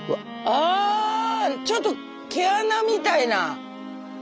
あちょっと毛穴みたいな。